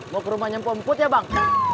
mau ke rumah nyempo mukut ya bang